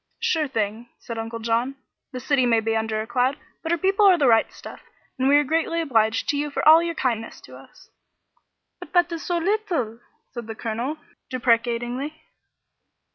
"Sure thing," said Uncle John. "The city may be under a cloud, but her people are the right stuff, and we are greatly obliged to you for all your kindness to us." "But that is so little!" said the colonel, deprecatingly.